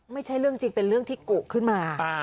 ไม่ใช่เรื่องจริงเป็นเรื่องที่กุขึ้นมา